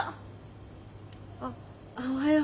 あおはよう。